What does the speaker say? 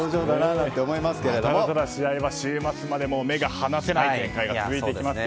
ただ、試合は週末まで目が離せない展開が続きますが。